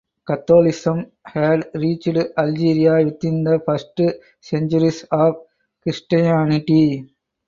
Catholicism had reached Algeria within the first centuries of Christianity.